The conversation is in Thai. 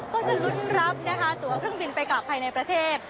ก็จะลุ้นรับนะคะตัวเครื่องบินไปกลับภายในประเทศ